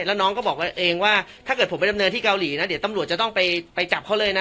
แล้วน้องก็บอกเองว่าถ้าเกิดผมไปดำเนินที่เกาหลีนะเดี๋ยวตำรวจจะต้องไปจับเขาเลยนะ